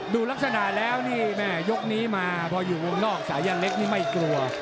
ดูลักษณะแล้วนี่แม่ยกนี้มาพออยู่วงนอกสายันเล็กนี่ไม่กลัว